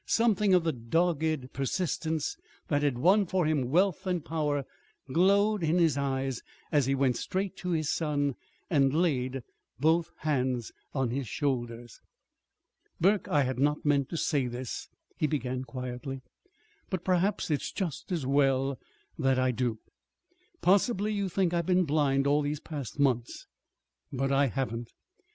Something of the dogged persistence that had won for him wealth and power glowed in his eyes as he went straight to his son and laid both hands on his shoulders. "Burke, I had not meant to say this," he began quietly; "but perhaps it's just as well that I do. Possibly you think I've been blind all these past months; but I haven't.